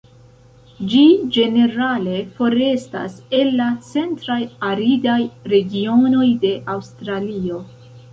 Ĝi ĝenerale forestas el la centraj aridaj regionoj de Aŭstralio.